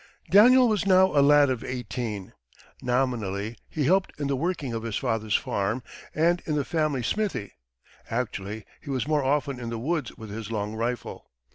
Daniel was now a lad of eighteen. Nominally, he helped in the working of his father's farm and in the family smithy; actually, he was more often in the woods with his long rifle.